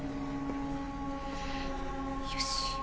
よし。